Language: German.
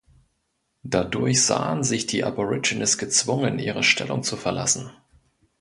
Dadurch sahen sich die Aborigines gezwungen, ihre Stellung zu verlassen.